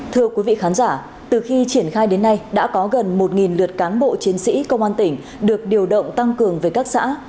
thưa quý vị khán giả từ khi triển khai đến nay đã có gần một lượt cán bộ chiến sĩ công an tỉnh được điều động tăng cường về các xã